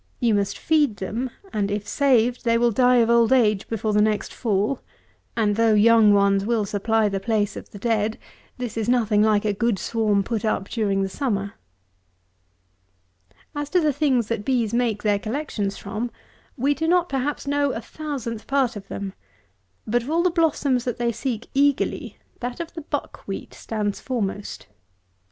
You must feed them; and, if saved, they will die of old age before the next fall; and though young ones will supply the place of the dead, this is nothing like a good swarm put up during the summer. 164. As to the things that bees make their collections from, we do not, perhaps, know a thousandth part of them; but of all the blossoms that they seek eagerly that of the Buck wheat stands foremost.